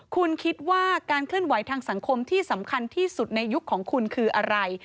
คุณคิดว่าการเคลื่อนไหวทางสังคมที่สำคัญที่สุดในยุคของคุณคืออะไร